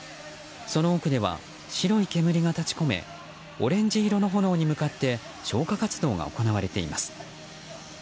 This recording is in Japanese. その奥では白い煙が立ち込めオレンジ色の炎に向かって消火活動が行われています。